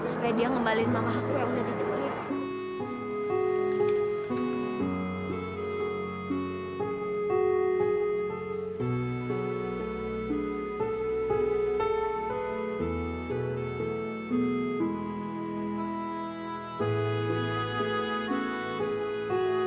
supaya dia ngembalin mamah aku yang udah dicuri